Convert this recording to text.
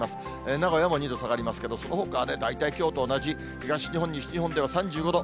名古屋も２度ほど下がりますけれども、そのほかは大体きょうと同じ、東日本、西日本では３５度。